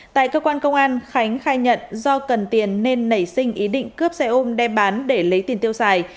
tại cơ quan công an khánh khai nhận do cần tiền nên nảy sinh ý định cướp xe ôm đem bán để lấy tiền tiêu xài